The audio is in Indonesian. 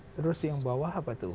terus yang bawah apa tuh